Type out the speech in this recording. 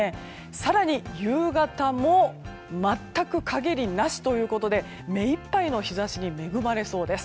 更に夕方も全く陰りなしということで目いっぱいの日差しに恵まれそうです。